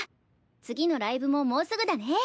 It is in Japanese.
次のライブももうすぐだね。